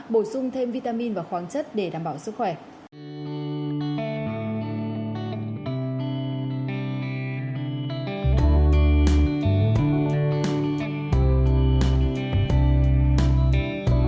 bổ sung thêm vitamin và khoáng chất để đảm bảo sức khỏe